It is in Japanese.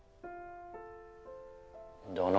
だな。